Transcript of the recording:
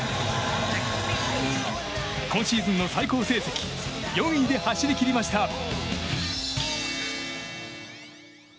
今シーズンの最高成績４位で走り切りました。